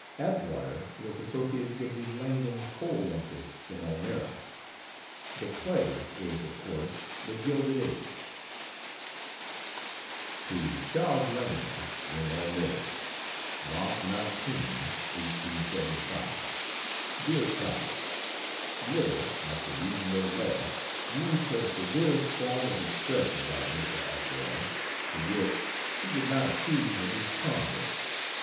"Atwater" was associated with the Langdon coal interests in Elmira. "The play" is, of course, "The Gilded Age." To Charles Langdon, in Elmira: Mch. 19, 1875. DEAR CHARLIE, Livy, after reading your letter, used her severest form of expression about Mr. Atwater to wit: She did not "approve" of his conduct.